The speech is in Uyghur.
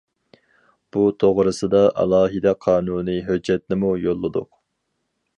بۇ توغرىسىدا ئالاھىدە قانۇنىي ھۆججەتنىمۇ يوللىدۇق.